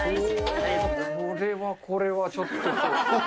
これはこれは、ちょっと。